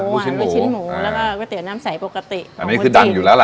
หวานลูกชิ้นหมูแล้วก็ก๋วยเตี๋ยวน้ำใสปกติอันนี้คือดังอยู่แล้วล่ะ